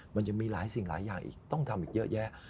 มันจะมีหลายสิ่งหลายอย่างอีกต้องทำอีกเยอะแยะ